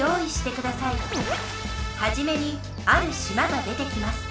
はじめにある島が出てきます。